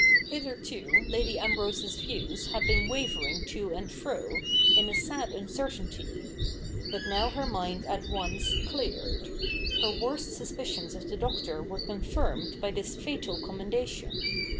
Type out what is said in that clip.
Hitherto Lady Ambrose's views had been wavering to and fro, in a sad uncertainty. But now her mind at once cleared. Her worst suspicions of the Doctor were confirmed by this fatal commendation.